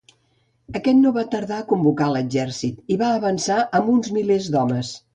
Aquest no va tardar a convocar l'exèrcit i va avançar amb uns milers d'homes.